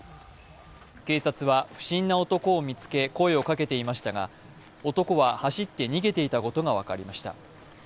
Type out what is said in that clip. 警察は不審な男を見つけ、声をかけていましたが男は走って逃げていたことが分かりました。